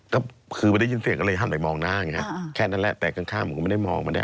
แค่นั้นแหละแต่ข้างข้ามผมก็ไม่ได้มองมาได้